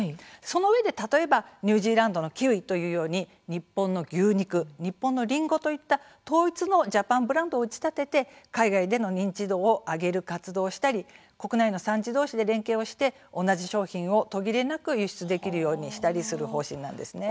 そのうえで例えばニュージーランドのキウイというように日本の牛肉日本のりんごといった統一のジャパンブランドを打ち立てて海外での認知度を上げる活動をしたり国内の産地どうしで連携をして同じ商品を途切れなく輸出できるようにしたりする方針なんですね。